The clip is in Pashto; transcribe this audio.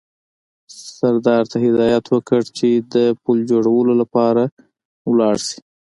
سردار ته هدایت وکړ چې د پل جوړولو لپاره ولاړ شي.